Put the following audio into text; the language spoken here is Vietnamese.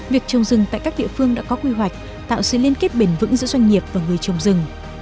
việc trồng rừng tại các địa phương đã có quy hoạch tạo sự liên kết bền vững giữa doanh nghiệp và người trồng rừng